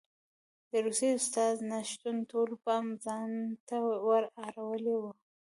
د روسیې استازو نه شتون ټولو پام ځان ته ور اړولی و